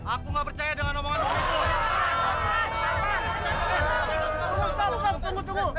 aku gak percaya dengan omongan dukun itu